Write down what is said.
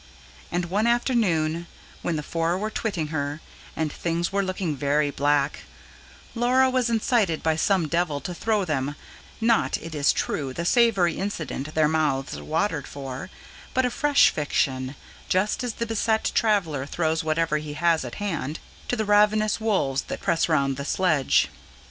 And one afternoon when the four were twitting her, and things were looking very black, Laura was incited by some devil to throw them, not, it is true, the savoury incident their mouths watered for, but a fresh fiction just as the beset traveller throws whatever he has at hand, to the ravenous wolves that press round the sledge.